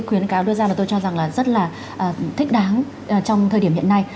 khuyến cáo đưa ra là tôi cho rằng là rất là thích đáng trong thời điểm hiện nay